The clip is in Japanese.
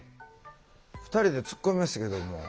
２人でツッコみましたけども。